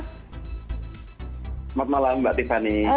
selamat malam mbak tiffany